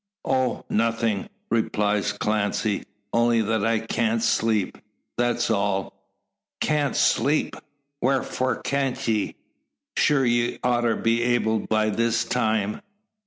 "Oh, nothing," replies Clancy; "only that I can't sleep that's all." "Can't sleep! Wharfore can't ye? Sure ye oughter be able by this time.